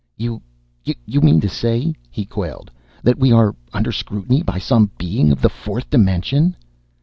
"You you mean to say," he quailed, "that we are under scrutiny by some Being of the fourth dimension?"